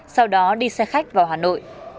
sau đó đi xe khách vào hà nội